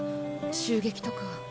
襲撃とか。